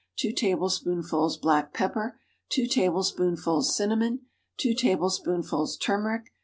2 tablespoonfuls black pepper. 2 tablespoonfuls cinnamon. 2 tablespoonfuls turmeric.